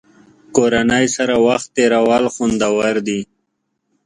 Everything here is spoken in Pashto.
کورنۍ سره وخت تېرول خوندور دي.